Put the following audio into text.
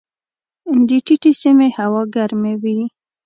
د ټیټې سیمې هوا ګرمې وي.